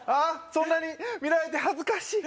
そんなに見られて恥ずかしい